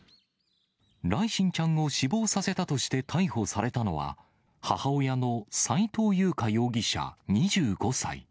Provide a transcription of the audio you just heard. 來心ちゃんを死亡させたとして逮捕されたのは、母親の斉藤優花容疑者２５歳。